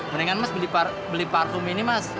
mendingan mas beli parfum ini mas